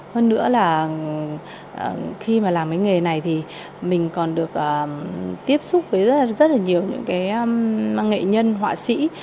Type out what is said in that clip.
hơn nữa là khi mà làm cái nghề này thì mình còn được tiếp xúc với rất là nhiều những cái nghệ nhân họa sĩ